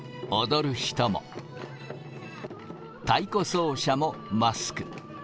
踊る人も、太鼓奏者もマスク。